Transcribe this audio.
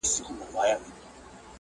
په رنګ رنګ میچنو دل کړمه